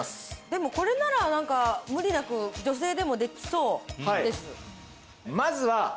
でもこれなら何か無理なく女性でもできそうです